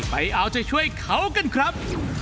ไปเอาใจช่วยเขากันครับ